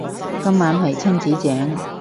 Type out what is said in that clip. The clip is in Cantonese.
今晚係親子丼